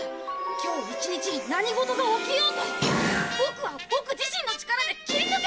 今日一日何事が起きようとボクはボク自身の力で切り抜けてみせる！